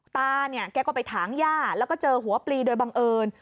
ตาเนี่ยแกก็ไปถางย่าแล้วก็เจอหัวปลีโดยบังเอิญ